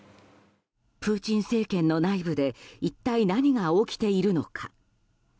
プーチン政権の内部で一体、何が起きているのか。